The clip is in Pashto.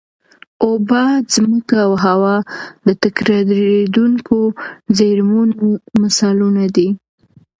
اوبه، ځمکه او هوا د تکرارېدونکو زېرمونو مثالونه دي.